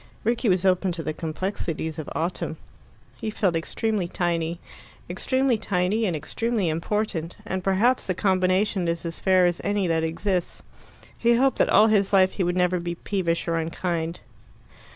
Rickie was open to the complexities of autumn; he felt extremely tiny extremely tiny and extremely important; and perhaps the combination is as fair as any that exists. He hoped that all his life he would never be peevish or unkind.